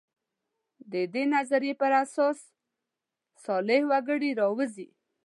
د دې نظریې پر اساس صالح وګړي راووځي.